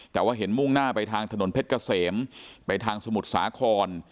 แต่ว่าเห็นมุ่งหน้าไปทางถนนเพชรเกษมไปทางสมุทรสาคร